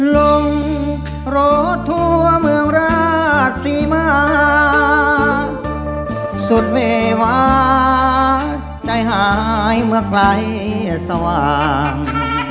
ลงรถทั่วเมืองราชศรีมาสุดเววาใจหายเมื่อไกลสว่าง